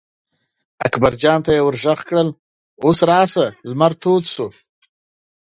اکبر جان ته یې غږ کړل: راځه اوس لمر را تود شو.